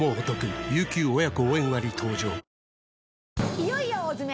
いよいよ大詰め！